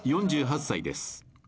４８歳です